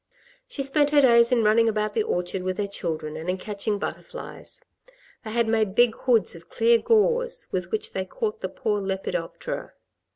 She spent her days in running about the orchard with her children, and in catching butterflies. They had made big hoods of clear gauze with which they caught the poor lepidoptera.